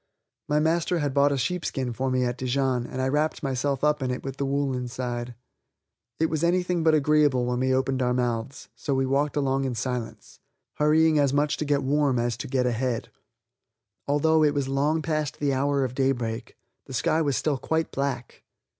My master had bought a sheepskin for me at Dijon, and I wrapped myself up in it with the wool inside. It was anything but agreeable when we opened our mouths, so we walked along in silence, hurrying as much to get warm as to get ahead. Although it was long past the hour of daybreak, the sky was still quite black.